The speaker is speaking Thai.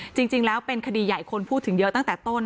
จริงแล้วเป็นคดีใหญ่คนพูดถึงเยอะตั้งแต่ต้น